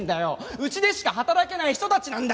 うちでしか働けない人たちなんだよ！